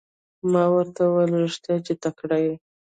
ما ورته وویل رښتیا چې تکړه یې.